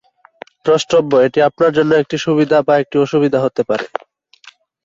দ্রষ্টব্য: এটি আপনার জন্য একটি সুবিধা বা একটি অসুবিধা হতে পারে।